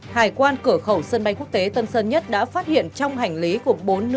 hải quan cửa khẩu sân bay quốc tế tân sơn nhất đã phát hiện trong hành lý của bốn nữ tiếp viên hàng không